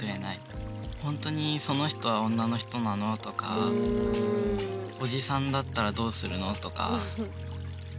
「本当にその人は女の人なの？」とか「おじさんだったらどうするの？」とか。